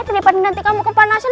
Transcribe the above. daripada nanti kamu kepanasan